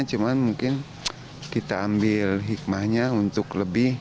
cuman mungkin kita ambil hikmahnya untuk lebih